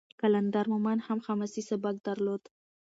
قلندر مومند هم حماسي سبک درلود.